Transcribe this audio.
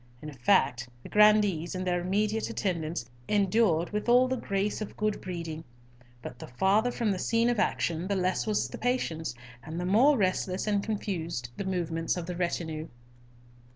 In fact the grandees and their immediate attendants endured with all the grace of good breeding; but the farther from the scene of action, the less was the patience, and the more restless and confused the movements of the retinue.